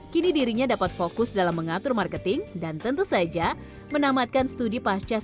kini dirinya dapat fokus dalam mengatur marketing dan tentu saja menamatkan studi pasca